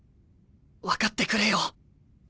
分かってくれよ。